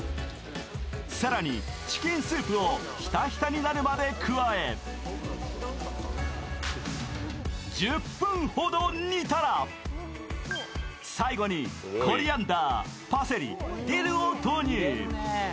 更にチキンスープをひたひたになるまで加え１０分ほど煮たら最後にコリアンダー、パセリ、ディルを投入。